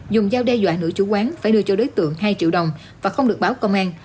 dùng dao đe dọa nữ chủ quán phải đưa cho đối tượng hai triệu đồng và không được báo công an